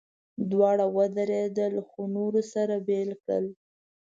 دواړه ودرېدل، خو نورو سره بېل کړل.